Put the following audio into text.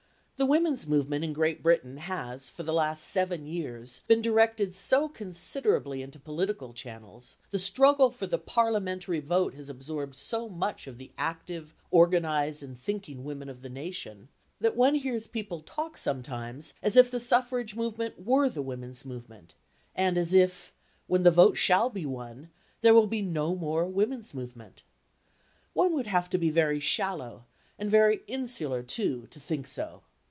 The women's movement in Great Britain has for the last seven years been directed so considerably into political channels, the struggle for the parliamentary vote has absorbed so much of the active, organised and thinking women of the nation, that one hears people talk sometimes as if the suffrage movement were the women's movement, and as if, when the vote shall be won, there will be no more women's movement. One would have to be very shallow and very insular, too, to think so.